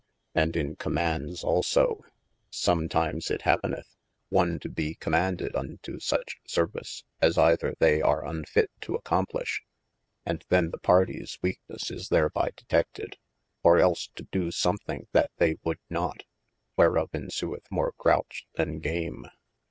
And in commaundes also, some times it happeneth one to bee commaunded unto such service, as eyther they are unfit to accomplish (and then the parties weaknes is therby detedted) or els to doe something that they would not, wherof ensueth more grutch than game.